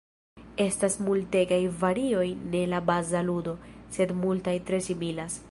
Estas multegaj varioj de la baza ludo, sed multaj tre similas.